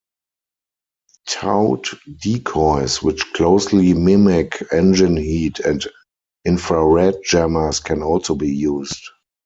Towed decoys which closely mimic engine heat and infra-red jammers can also be used.